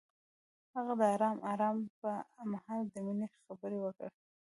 هغه د آرام آرمان پر مهال د مینې خبرې وکړې.